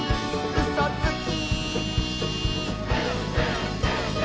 「うそつき！」